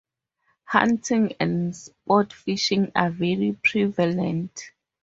Hunting and sportfishing are very prevalent.